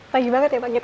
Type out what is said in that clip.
pagi banget ya pak gita